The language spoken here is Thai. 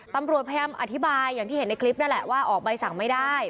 ตำรวจพยายามอธิบายอย่างที่เห็นในคลิปนั่นแหละว่าออกใบสั่งไม่ได้